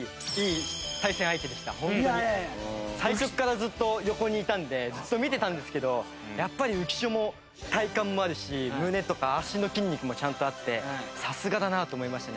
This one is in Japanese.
最初からずっと横にいたのでずっと見てたんですけどやっぱり浮所も体幹もあるし胸とか足の筋肉もちゃんとあってさすがだなと思いましたね。